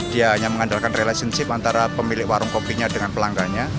dia hanya mengandalkan relationship antara pemilik warung kopinya dengan pelanggannya